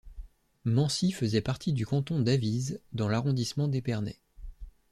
Mancy faisait partie du canton d'Avize, dans l'arrondissement d'Épernay.